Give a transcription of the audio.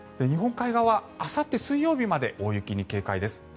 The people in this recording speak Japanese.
日本海側、あさって水曜日まで大雪に警戒です。